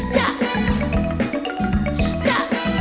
จะจะ